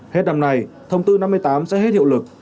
hết năm nay thông tư năm mươi tám sẽ hết hiệu lực